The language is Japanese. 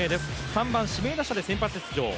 ３番・指名打者で先発出場。